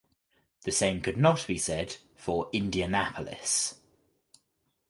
The same could not be said for "Indianapolis".